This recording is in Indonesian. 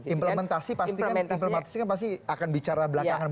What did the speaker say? implementasi pasti akan bicara belakangan